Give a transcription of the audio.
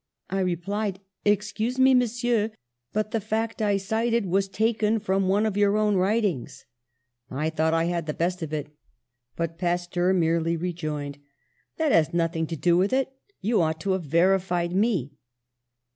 "I replied, 'Excuse me, Monsieur, but the fact I cited was taken from one of your own writings.' I thought I had the best of it, but Pasteur merely rejoined, 'That has nothing to do with it; you ought to have verified me.'